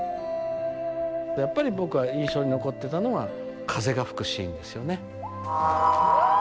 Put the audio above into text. やっぱり僕は印象に残ってたのが風が吹くシーンですよね。